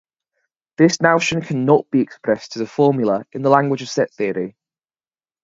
This notion cannot be expressed as a formula in the language of set theory.